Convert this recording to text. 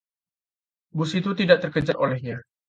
bus itu tidak terkejar olehnya